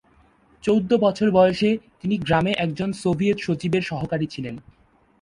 চৌদ্দ বছর বয়সে, তিনি গ্রামে একজন সোভিয়েত সচিবের সহকারী ছিলেন।